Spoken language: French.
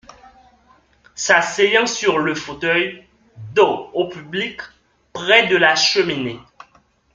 S’asseyant sur le fauteuil, dos au public, près de la cheminée.